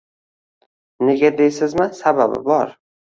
Nega deysizmi? Sababi bor.